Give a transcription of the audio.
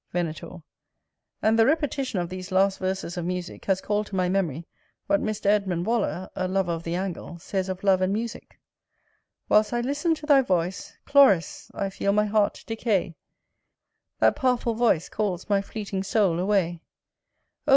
Venator. And the repetition of these last verses of musick has called to my memory what Mr. Edmund Waller, a lover of the angle, says of love and musick. Whilst I listen to thy voice, Chloris! I feel my heart decay That powerful voice Calls my fleeting soul away: Oh!